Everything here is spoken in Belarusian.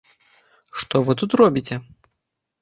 Што вы тут робіце?